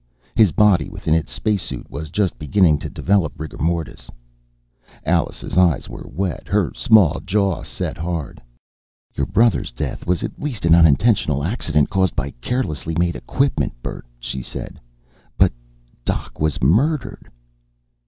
His body, within its spacesuit, was just beginning to develop rigor mortis. Alice's eyes were wet, her small jaw set hard. "Your brother's death was at least an unintentional accident caused by carelessly made equipment, Bert," she said. "But Doc was murdered."